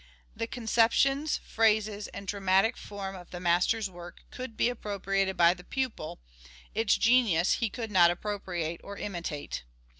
The con ceptions, phrases, and dramatic form of the master's work could be appropriated by the pupil ; its genius he could not appropriate or imitate.